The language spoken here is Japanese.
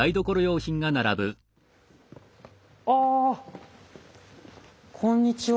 あこんにちは。